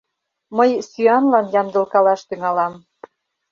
Мый сӱанлан ямдылкалаш тӱҥалам.